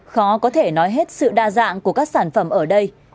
khó có thể nói hết sự đa dạng của các sản phẩm ở đây